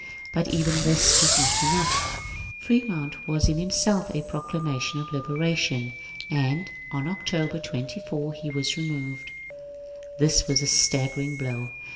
But even this was not enough ; Fremont was in himself a proclamation of liberation, and on October 24 he was removed. This was a staggering blow.